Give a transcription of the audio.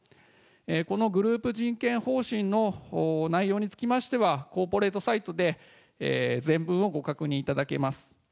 このグループ人権方針の内容につきましては、コーポレートサイトで全文をご確認いただけます。